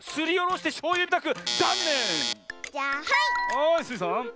はいスイさん。